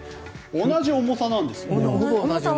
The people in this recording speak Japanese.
同じ重さなんですよね。